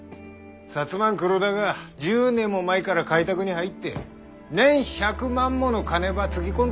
摩ん黒田が１０年も前から開拓に入って年１００万もの金ばつぎ込ん